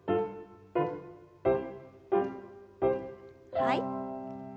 はい。